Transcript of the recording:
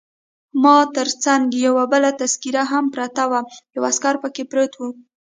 ما تر څنګ یو بله تذکیره هم پرته وه، یو سړی پکښې پروت وو.